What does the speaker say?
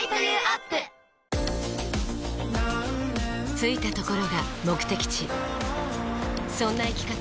着いたところが目的地そんな生き方